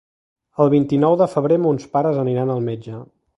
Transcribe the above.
El vint-i-nou de febrer mons pares aniran al metge.